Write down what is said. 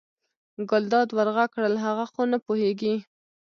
ګلداد ور غږ کړل هغه خو نه پوهېږي.